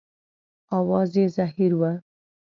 اواز یې زهیر و.